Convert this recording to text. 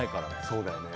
そうだよね